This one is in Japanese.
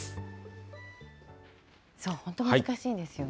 本当、難しいんですよね。